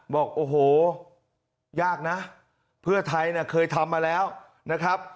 บอกโอ้โหยากนะเพื่อไทยเคยทำมาแล้วนะครับ